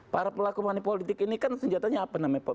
para pelaku manipolitik ini kan senjatanya apa namanya